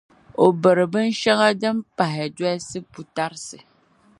o biri binshɛŋa din pahi dolisi putarisi.